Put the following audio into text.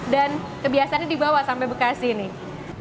dan kebiasaannya di bawah sampai bekasi nih